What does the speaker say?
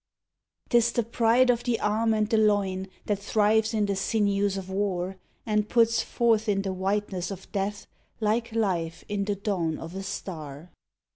Si THE WILL 'Tis the pride of the arm and the loin That thrives in the sinews of war, And puts forth in the whiteness of death Like life in the dawn of a star.